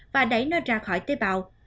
và đẩy nó ra khỏi tế bào